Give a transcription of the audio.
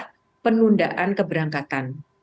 adalah penundaan keberangkatan